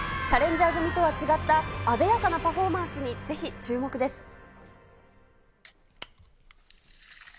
チャレンジャー組とは違ったあでやかなパフォーマンスにぜひ注目です。